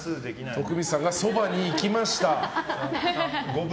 徳光さんがそばに行きました。